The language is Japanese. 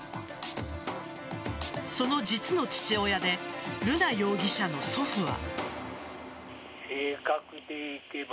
その実の父親で瑠奈容疑者の祖父は。